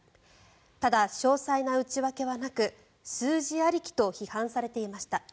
ただ、詳細な内訳はなく数字ありきと批判されていました。